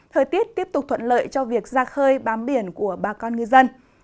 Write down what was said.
thời tiết tiếp tục thuận lợi cho việc ra khơi bám biển của bà con ngư dân